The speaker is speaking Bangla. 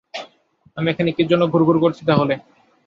আমি এখানে কী জন্য ঘুরঘুর করছি তাহলে?